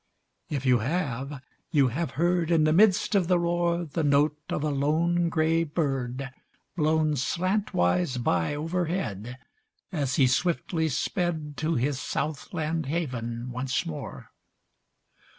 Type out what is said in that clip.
If you have, you have heard In the midst of the roar, The note of a lone gray bird, Blown slantwise by overhead As he swiftly sped To his south land haven once more